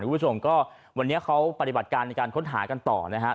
คุณผู้ชมก็วันนี้เขาปฏิบัติการในการค้นหากันต่อนะฮะ